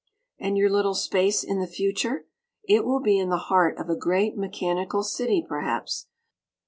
And your little Space in the Future? It will be in the heart of a great mechanical city, perhaps.